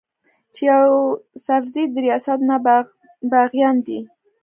چې يوسفزي د رياست نه باغيان دي